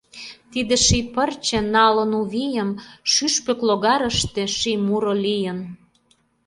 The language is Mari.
Тиде ший пырче, Налын у вийым, Шӱшпык логарыште Ший муро лийын!